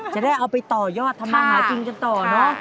จะได้เอาไปต่อยอดธรรมหาจริงจนต่อเนอะ